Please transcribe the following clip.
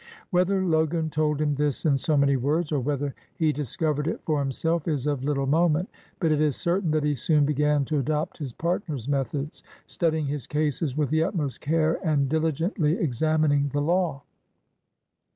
Whether Logan told him this in so many words, or whether he discovered it for himself, is of little moment, but it is certain that he soon began to adopt his partner's methods, studying his cases with the utmost care and diligently exam ining the law.